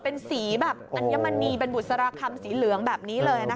เป็นสีแบบอัญมณีเป็นบุษราคำสีเหลืองแบบนี้เลยนะคะ